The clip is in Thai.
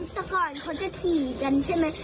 แต่ก่อนเขาจะถี่กันใช่ไหม